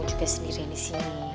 juga sendirian disini